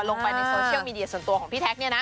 ลงไปในโซเชียลมีเดียส่วนตัวของพี่แท็กเนี่ยนะ